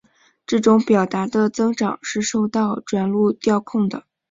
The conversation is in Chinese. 这种表达的增长是受到转录调控的。